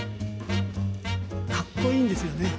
かっこいいんですよね。